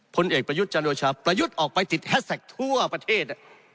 ผลเอกประยุทธ์จันโอชาประยุทธ์ออกไปติดแฮสแท็กทั่วประเทศ